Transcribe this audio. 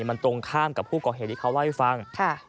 มันตรงข้ามกับผู้ก่อเหตุที่เขาเล่าให้ฟัง